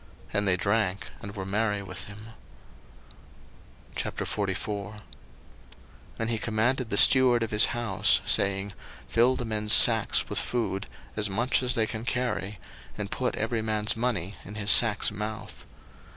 And they drank, and were merry with him. 01:044:001 And he commanded the steward of his house, saying, Fill the men's sacks with food, as much as they can carry, and put every man's money in his sack's mouth.